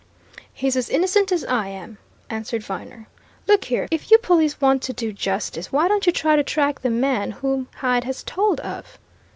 "He's as innocent as I am," answered Viner. "Look here; if you police want to do justice, why don't you try to track the man whom Hyde has told of?"